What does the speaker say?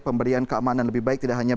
pemberian keamanan lebih baik